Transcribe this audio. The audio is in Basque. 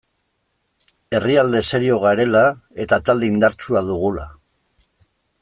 Herrialde serioa garela eta talde indartsua dugula.